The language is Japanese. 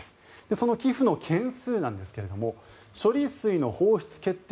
その寄付の件数なんですが処理水の放出決定